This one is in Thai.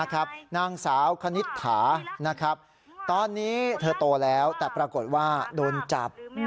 นะครับนางสาวคณิตถานะครับตอนนี้เธอโตแล้วแต่ปรากฏว่าโดนจับ